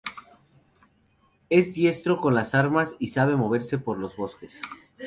Es diestro con las armas y sabe moverse por los bosques.